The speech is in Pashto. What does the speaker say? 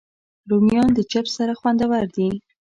رومیان د چپس سره خوندور دي